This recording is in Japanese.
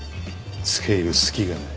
付け入る隙がない。